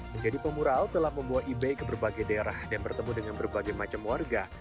menjadi pemural telah membawa ibe ke berbagai daerah dan bertemu dengan berbagai macam warga